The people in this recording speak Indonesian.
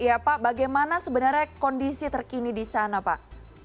iya pak bagaimana sebenarnya kondisi terkini di sana pak